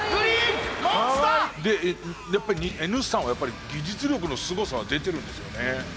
でやっぱりＮ産は技術力のすごさは出てるんですよね。